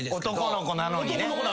男の子なのにね。